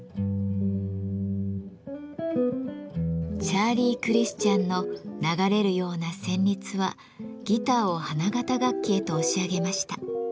チャーリー・クリスチャンの流れるような旋律はギターを花形楽器へと押し上げました。